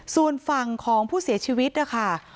ส่วนฝั่งของผู้เสียชีวิตนะคะ